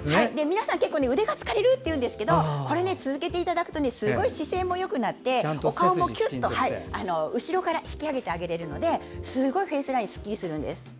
皆さん結構腕が疲れるって言うんですけど続けていただくとすごい姿勢もよくなってお顔もキュッと後ろから引き上げて上げられるのですごいフェイスラインがすっきりするんです。